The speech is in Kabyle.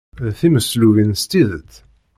D timeslubin s tidet.